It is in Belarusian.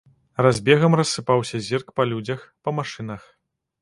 Разбегам рассыпаўся зірк па людзях, па машынах.